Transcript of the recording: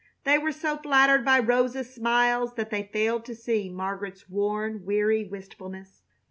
They were so flattered by Rosa's smiles that they failed to see Margaret's worn, weary wistfulness.